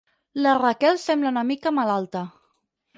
La Raquel sembla una mica malalta.